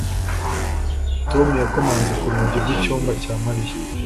Tom yakomanze ku rugi rwicyumba cya Mariya